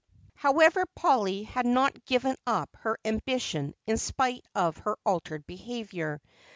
However, Polly had not given up her ambition in spite of her altered behavior.